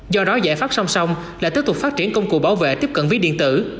do đó giải pháp song song là tiếp tục phát triển công cụ bảo vệ tiếp cận ví điện tử